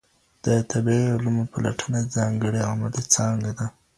د طبیعي علومو پلټنه ځانګړې علمي څانګه ده.